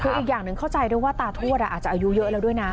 คืออีกอย่างหนึ่งเข้าใจด้วยว่าตาทวดอาจจะอายุเยอะแล้วด้วยนะ